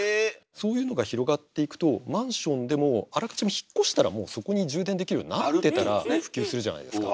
そういうのが広がっていくとマンションでもあらかじめ引っ越したらもうそこに充電できるようになってたら普及するじゃないですか。